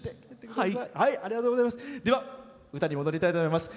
では、歌に戻りたいと思います。